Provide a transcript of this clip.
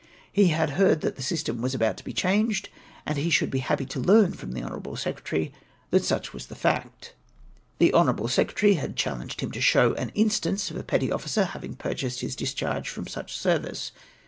He had heard that the system was about to be changed; and he should be happy to learn from the honourable secretary that such was the fact. "The honourable secretary had challenged him to show him an instance of a petty officer having purchased his dis charge from such service.